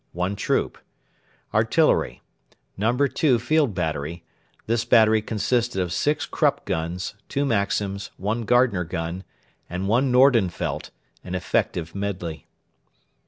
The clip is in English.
One troop Artillery ...... No. 2 Field Battery [This battery consisted of six Krupp guns, two Maxims, one Gardner gun, and one Nordenfeldt an effective medley.